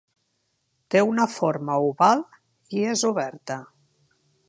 Té una forma oval i és oberta.